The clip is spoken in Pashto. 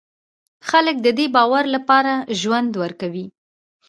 خلک د دې باور لپاره ژوند ورکوي.